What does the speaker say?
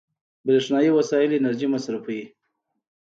برېښنایي وسایل انرژي مصرفوي.